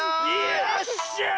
よっしゃい！